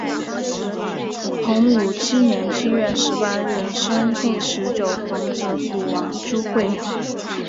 洪武七年七月十八日生第十九皇子谷王朱橞。